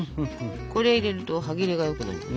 これ入れると歯切れがよくなります。